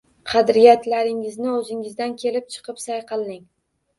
Qadriyatlaringizni o’zingizdan kelib chiqib sayqallang